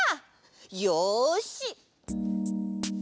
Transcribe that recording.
よし！